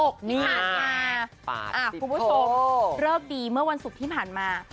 คุณผู้ชมเลิกดีเมื่อวันศุกร์ที่ผ่านมา